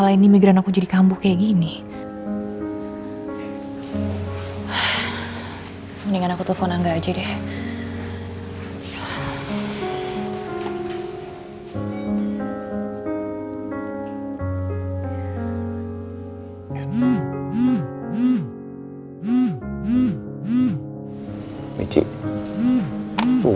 bahwa bukan andi yang pelaku pembunuhan itu